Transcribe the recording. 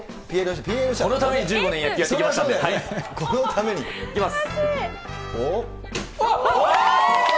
このためいきます。